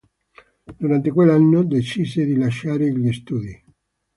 Durante quell'anno decise di lasciare gli studi.